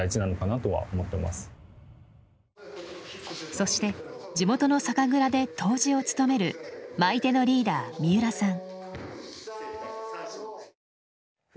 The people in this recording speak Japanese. そして地元の酒蔵で杜氏を務める舞手のリーダー三浦さん。